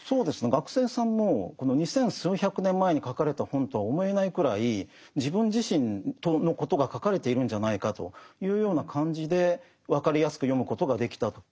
学生さんも二千数百年前に書かれた本とは思えないくらい自分自身のことが書かれているんじゃないかというような感じで分かりやすく読むことができたと。